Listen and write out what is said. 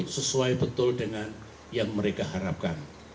sesuai betul dengan yang mereka harapkan